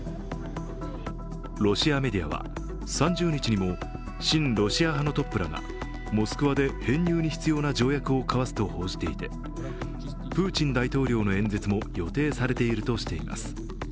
ロシアメディアは３０日にも親ロシアのトップが、モスクワで編入に必要な条約を交わすと報じていてプーチン大統領の演説も予定されているとしています。